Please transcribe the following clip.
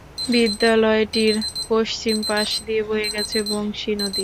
বিদ্যালয়টির পশ্চিম পাশ দিয়ে বয়ে গেছে বংশী নদী।